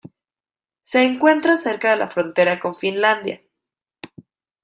Se encuentra cerca de la frontera con Finlandia.